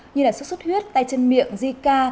như là sức sốt huyết tay chân miệng zika